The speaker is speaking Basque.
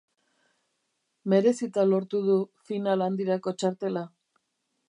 Merezita lortu du final handirako txartela.